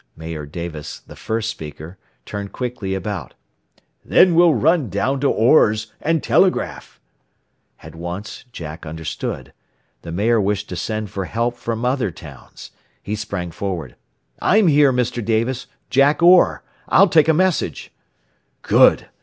Mayor Davis, the first speaker, turned quickly about. "Then we'll run down to Orr's and telegraph." At once Jack understood. The mayor wished to send for help from other towns. He sprang forward. "I'm here, Mr. Davis Jack Orr. I'll take a message!" "Good!"